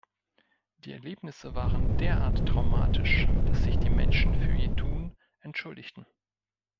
Die Erlebnisse waren derart traumatisch, dass sich die Menschen für ihr Tun entschuldigten.